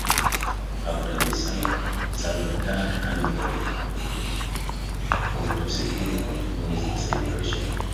After the Salvador Carnival, Porto Seguro continues the celebration.